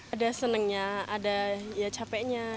ada senangnya ada capeknya